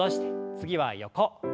次は横。